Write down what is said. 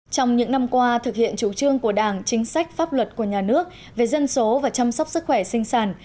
trong những năm qua thực hiện chủ trương của đảng chính sách pháp luật của nhà nước về dân số và chăm sóc sức khỏe sinh sản